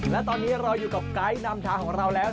และตอนนี้เราอยู่กับไกด์นำทางของเราแล้ว